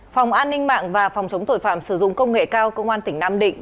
phòng an ninh mạng và phòng chống tội phạm sử dụng công nghệ cao công an tỉnh nam định